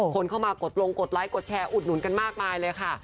คนเข้ามากดลงกดไลค์กดแชร์อุดหนุนกันมากมายเลยค่ะ